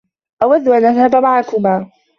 أودّ أن أذهب معكما.